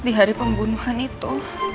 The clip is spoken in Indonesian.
di hari pembunuhan itu